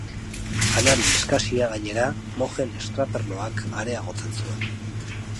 Janari eskasia gainera, mojen estraperloak areagotzen zuen.